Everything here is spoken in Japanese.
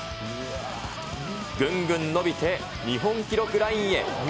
ぐんぐん伸びて、日本記録ラインへ。